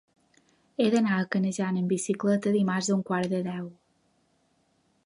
He d'anar a Canejan amb bicicleta dimarts a un quart de deu.